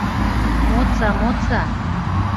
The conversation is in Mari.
Модса, модса!